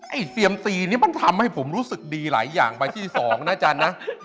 ไอ้เซียมซีนี่มันทำให้ผมรู้สึกดีหลายอย่างไปที่สองนะจังนะ